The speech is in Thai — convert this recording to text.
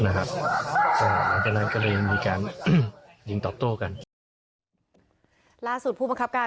นะครับก็เลยก็เลยยังมีการยิงต่อโต้กันล่าสุดผู้ประคับการ